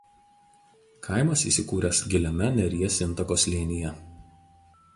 Kaimas įsikūręs giliame Neries intako slėnyje.